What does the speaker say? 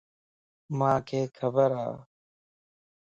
مانک خبر ا.